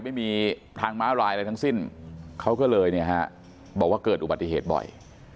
ไม่มีทางม้าลายอะไรทั้งสิ้นเขาก็เลยเนี่ยฮะบอกว่าเกิดอุบัติเหตุบ่อย